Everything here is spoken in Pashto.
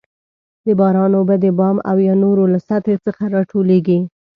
د باران اوبه د بام او یا نورو له سطحې څخه راټولیږي.